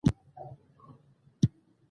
ځینې رسنۍ درواغ خپروي.